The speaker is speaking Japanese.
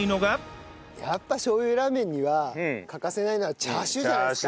やっぱりしょう油ラーメンには欠かせないのはチャーシューじゃないですか？